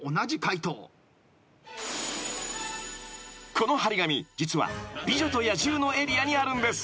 ［この貼り紙実は『美女と野獣』のエリアにあるんです］